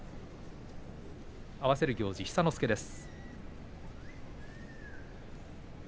合わせる行司は寿之介です。